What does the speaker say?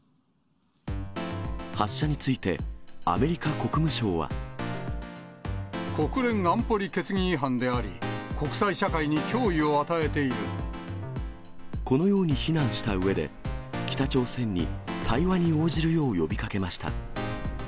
発射についてアメリカ国務省は。国連安保理決議違反であり、このように非難したうえで、北朝鮮に対話に応じるよう呼びかけました。